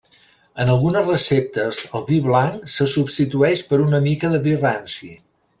En algunes receptes el vi blanc se substitueix per una mica de vi ranci.